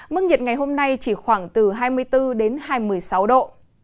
mức nhiệt ngày hôm nay chỉ khoảng từ hai mươi bốn đến hai mươi sáu độ